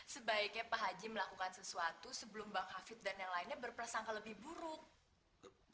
sebaiknya pak haji melakukan sesuatu sebelum bang hafid dan yang lainnya berprasangka lebih buruk